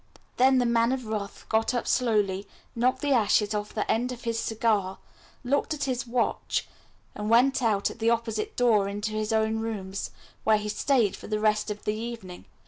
Then the Mall of Wrath got up slowly, knocked the ashes off the end of his cigar, looked at his watch, and went out at the opposite door into his own rooms, where he stayed for the rest of the evening.